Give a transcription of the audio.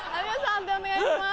判定お願いします。